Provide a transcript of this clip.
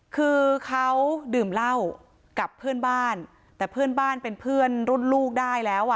คือเขาดื่มเหล้ากับเพื่อนบ้านแต่เพื่อนบ้านเป็นเพื่อนรุ่นลูกได้แล้วอ่ะ